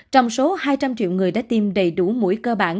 trong số hai trăm linh triệu người đã tiêm đầy đủ mũi cơ bản